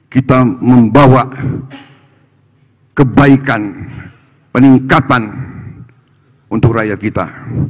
kita membawa kebaikan peningkatan untuk rakyat kita